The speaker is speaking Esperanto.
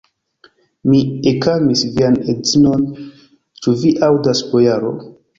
Mi ekamis vian edzinon, ĉu vi aŭdas, bojaro?